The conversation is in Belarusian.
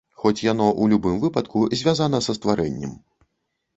Хоць, яно ў любым выпадку звязана са стварэннем.